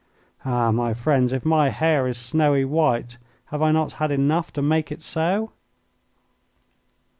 Ah, my friends, if my hair is snowy white, have I not had enough to make it so?